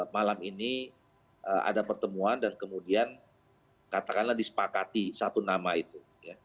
malam ini ada pertemuan dan kemudian katakanlah disepakati satu nama itu